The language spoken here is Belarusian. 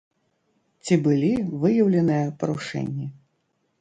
Ці былі выяўленыя парушэнні?